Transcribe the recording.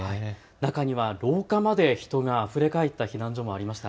中には廊下まで人があふれかえった避難所もありました。